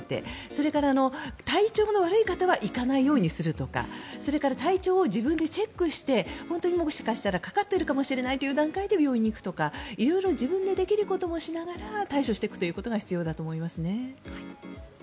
それから、体調の悪い方は行かないようにするとかそれから体調を自分でチェックして本当にもしかしたらかかっているかもしれないという段階で病院に行くとか色々自分でできることもしながら対処していくということが必要だと思いますね。